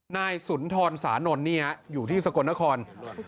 นายสุนทรสานนท์นี่ฮะอยู่ที่สกลนคร